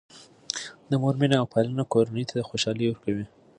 د مور مینه او پالنه کورنۍ ته خوشحالي ورکوي.